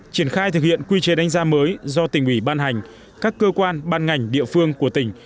triển khai thực hiện quy chế đánh giá mới do tỉnh ủy ban hành các cơ quan ban ngành địa phương của tỉnh